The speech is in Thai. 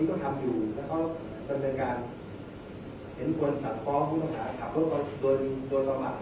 การเห็นเขอสะตาลเองทหารกะโหลให้กรณาตะชับรถเข้าไปตกด้วยระหว่าง